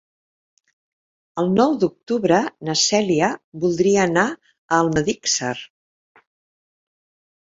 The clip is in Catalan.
El nou d'octubre na Cèlia voldria anar a Almedíxer.